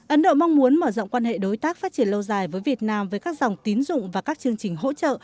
ấn độ mong muốn mở rộng quan hệ đối tác phát triển lâu dài với việt nam với các dòng tín dụng và các chương trình hỗ trợ